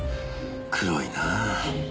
黒いなぁ。